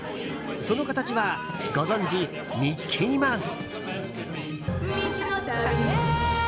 その形は、ご存じミッキーマウス。